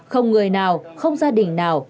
không người nào không gia đình nào